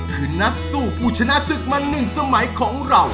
คือนักสู้ปู่ชนะศึกมันหนึ่งสมัยของเรา